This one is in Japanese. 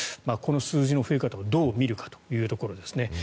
この数字の増え方をどう見るかということですね。